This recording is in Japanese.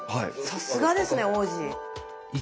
さすがですね王子。